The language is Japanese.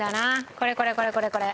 これこれこれこれこれ！